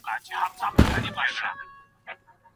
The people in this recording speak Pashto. په نکاح کي دقت کول د چا حکم دی؟